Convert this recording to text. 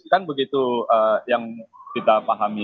kan begitu yang kita pahami